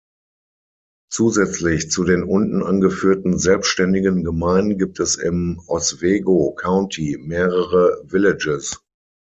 Zusätzlich zu den unten angeführten selbständigen Gemeinden gibt es im Oswego County mehrere "villages".